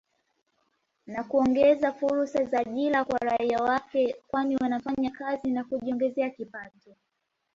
Na kuongeza fursa za ajira kwa raia wake kwani wanafanya kazi na kujiongezea kipato